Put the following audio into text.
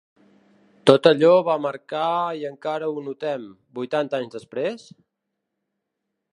Tot allò va marcar i encara ho notem, vuitanta anys després?